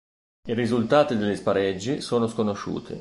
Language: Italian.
I risultati degli spareggi sono sconosciuti.